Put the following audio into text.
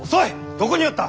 どこにおった！